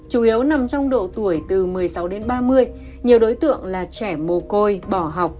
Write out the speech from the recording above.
chủ yếu nằm trong độ tuổi từ một mươi sáu đến ba mươi nhiều đối tượng là trẻ mồ côi bỏ học